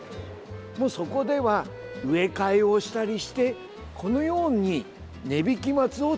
そこでは植え替えをしたりしてこのように根引松を作ります。